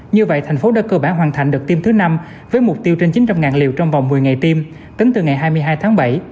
như vậy thành phố đã cơ bản hoàn thành đợt tiêm thứ năm với mục tiêu trên chín trăm linh liều trong vòng một mươi ngày tiêm tính từ ngày hai mươi hai tháng bảy